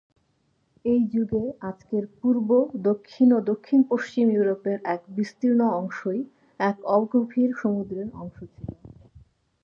এই যুগে আজকের পূর্ব, দক্ষিণ ও দক্ষিণ-পশ্চিম ইউরোপের এক বিস্তীর্ণ অংশই এক অগভীর সমুদ্রের অংশ ছিল।